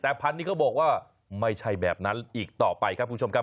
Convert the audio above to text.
แต่พันธุ์นี้เขาบอกว่าไม่ใช่แบบนั้นอีกต่อไปครับคุณผู้ชมครับ